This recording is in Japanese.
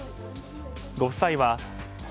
ご夫妻は故